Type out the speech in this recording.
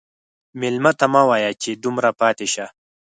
مېلمه ته مه وایه چې دومره پاتې شه.